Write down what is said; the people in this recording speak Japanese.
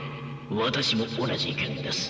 私も同じ意見です。